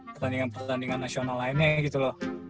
pertandingan pertandingan nasional lainnya gitu loh